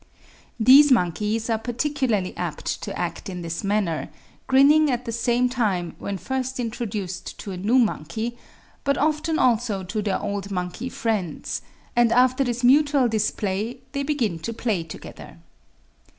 These monkeys are particularly apt to act in this manner, grinning at the same time, when first introduced to a new monkey, but often also to their old monkey friends; and after this mutual display they begin to play together.